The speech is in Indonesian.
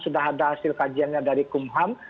sudah ada hasil kajiannya dari kumham